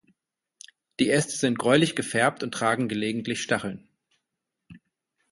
Die Äste sind gräulich gefärbt und tragen gelegentlich Stacheln.